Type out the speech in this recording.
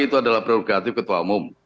itu adalah prerogatif ketua umum